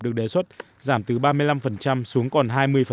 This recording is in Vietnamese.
được đề xuất giảm từ ba mươi năm xuống còn hai mươi